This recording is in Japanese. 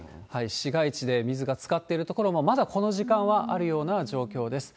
市街地で水がつかってる所も、まだこの時間はあるような状況です。